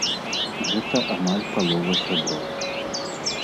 Гэта амаль палова сяброў.